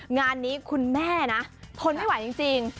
งานนี้คุณแม่นะทนไม่ไหวจริง